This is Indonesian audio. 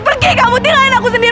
pergi kamu tinggalin aku sendiri